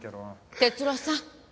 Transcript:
哲郎さん。